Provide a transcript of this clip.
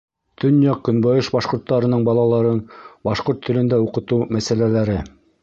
Төньяҡ-көнбайыш башҡорттарының балаларын башҡорт телендә уҡытыу мәсьәләләре.